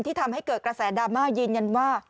ทำให้เกิดกระแสดราม่ายืนยันว่า